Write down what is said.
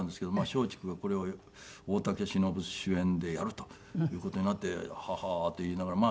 松竹がこれを大竹しのぶ主演でやるという事になってははーって言いながら。